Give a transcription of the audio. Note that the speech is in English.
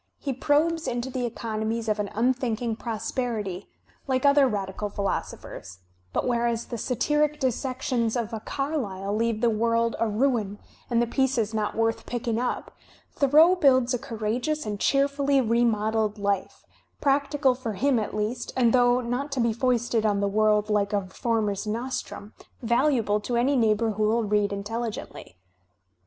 He probes iuto the economies of an unthinking prosperity like other radical* Digitized by Google 184 THE SPIRIT OF AMERICAN LITERATURE philosophers; but whereas the satiric dissections of a Carlyle leave the world a ruin and the pieces not worth picking up, Thoreau builds a courageous and cheerfully remodelled Uf e, practical for him at least, and though not to be foisted on the world like a reformer's nostrum, valuable to any neighbour who will read intelligently.